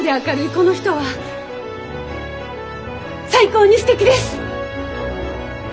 この人は最高にすてきです！